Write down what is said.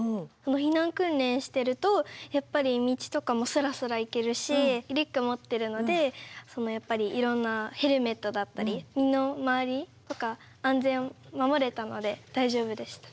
避難訓練してるとやっぱり道とかもすらすら行けるしリュック持ってるのでやっぱりいろんなヘルメットだったり身の回りとか安全を守れたので大丈夫でした。